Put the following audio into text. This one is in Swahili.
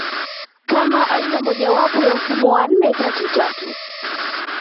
kama aina mojawapo ya mfumo wa nne tatu tatu